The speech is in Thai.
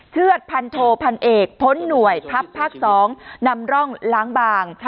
สื่อถภัณฑ์โทภัณฑ์เอกท้นหน่วยทัพภาคสองนำร่องล้างบาง